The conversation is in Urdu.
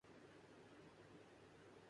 انگریزی کے علاوہ وہ ریاضی بھی پڑھاتا ہے۔